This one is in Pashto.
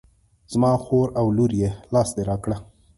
زما خور او لور یې لاس دې را کړه.